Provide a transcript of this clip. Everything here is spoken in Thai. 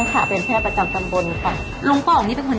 แกไปรักษาคนป่วยตามบ้านก่อน